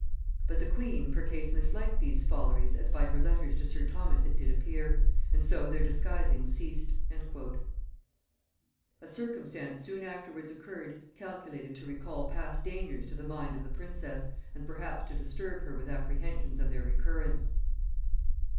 But the queen percase misliked these folleries as by her letters to sir Thomas it did appear; and so their disguisings ceased." [Note 29: See Nichols's "Progresses," vol. i. p. 19.] A circumstance soon afterwards occurred calculated to recall past dangers to the mind of the princess, and perhaps to disturb her with apprehensions of their recurrence.